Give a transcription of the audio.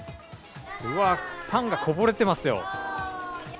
うわー、パンがこぼれてますよ。